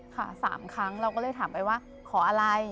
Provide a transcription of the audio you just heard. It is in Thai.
๓ครั้งเราก็เลยถามไปว่าขออะไร